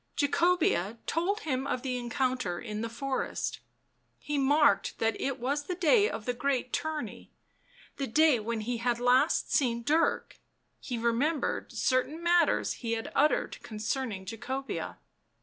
Jacobea told him of the encounter in the forest ; he marked that it was the day of the great tourney, the day when he had last seen Dirk ; he remembered certain matters he had uttered concerning Jacobea.